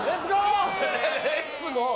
「レッツゴー！」。